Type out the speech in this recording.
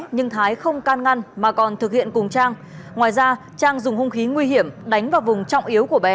nhưng thái không can ngăn mà còn thực hiện cùng trang ngoài ra trang dùng hung khí nguy hiểm đánh vào vùng trọng yếu của bé